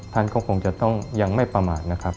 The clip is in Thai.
ท่านก็คงจะต้องยังไม่ประมาทนะครับ